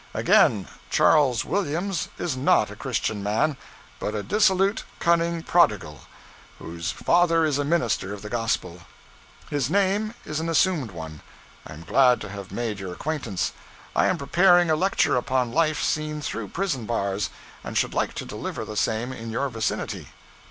Again, Charles Williams is not a Christian man, but a dissolute, cunning prodigal, whose father is a minister of the gospel. His name is an assumed one. I am glad to have made your acquaintance. I am preparing a lecture upon life seen through prison bars, and should like to deliver the same in your vicinity.